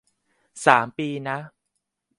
สามปี นะ